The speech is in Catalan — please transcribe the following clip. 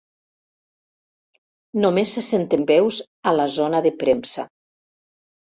Només se senten veus a la zona de premsa.